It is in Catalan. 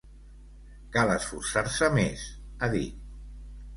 Cal esforçar-se més, ha dit.